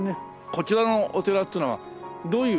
こちらのお寺っていうのはどういう？